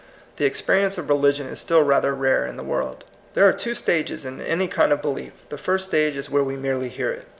The experience of religion is still rather rare in the world. There are two stages in any kind of belief. The first stage is where we merely hear it.